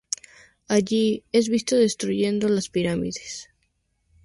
Allí, es visto destruyendo las Pirámides.